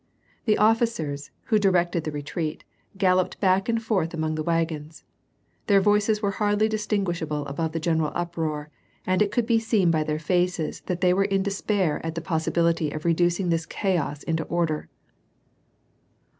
The officers, who directed the retreat, galloijed Wk and forth among the wagons. Their voices were hardly distinguishable above the general uproar, and it could be seen by their faces that they were in despair at the possibility of rwlueinjT this chaos into order.